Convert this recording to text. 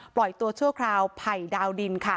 ปล่อยตัวชั่วคราวภัยดาวดิน